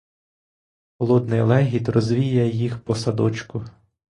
Холодний легіт розвіє їх по садочку.